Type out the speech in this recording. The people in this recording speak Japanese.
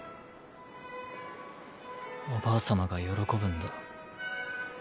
おばあ様が喜ぶんだ。